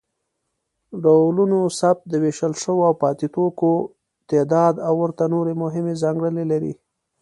ډولونوثبت، د ویشل شویو او پاتې توکو تعداد او ورته نورې مهمې ځانګړنې لري.